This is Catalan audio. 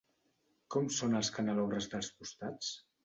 Com són els canelobres dels costats?